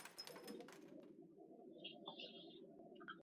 陇海路是河南省郑州市一条呈东西走向的城市主干道。